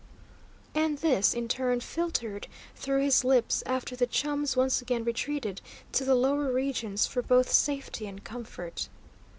And this, in turn, filtered through his lips after the chums once again retreated to the lower regions for both safety and comfort.